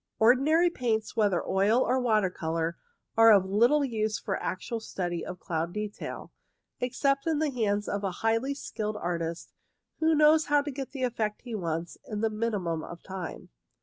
Ordinary paints, whether oil or water colour, are of little use for actual study of cloud detail, except in the hands of a highly skilled artist who knows how to get the effect he wants in the minimum of time.